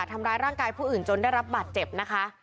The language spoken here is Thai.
ทำร้ายร่างกายผู้อื่นจนได้รับบาดเจ็บนะคะ